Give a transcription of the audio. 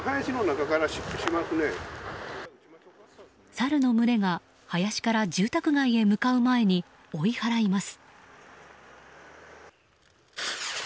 サルの群れが、林から住宅街へ向かう前に追い払います。